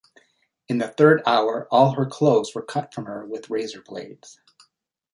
In the third hour all her clothes were cut from her with razor blades.